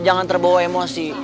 jangan terbawa emosi